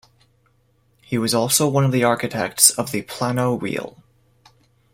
He was also one of the architects of the Plano Real.